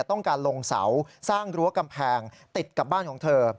ต้องการลงเสาสร้างรั้วกำแพงติดกับบ้านของเธอ